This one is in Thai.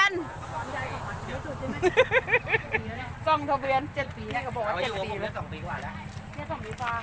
ส่องทะเวียนเจ็ดปีแล้วก็บอกว่าเจ็ดปีแล้ว